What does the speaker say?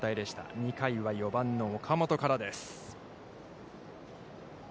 ２回は、４番の岡本からです。